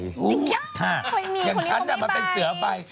อย่างฉันมันเป็นเสือใบ